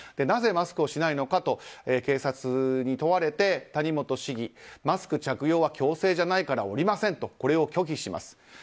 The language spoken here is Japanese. なぜマスクをしないのかと警察に問われて谷本市議、マスク着用は強制じゃないから降りませんとこれを拒否します。